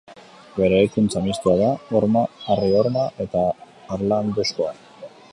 Bere eraikuntza, mistoa da, horma, harri-horma eta harlanduzkoa.